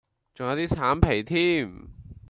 仲有啲橙皮添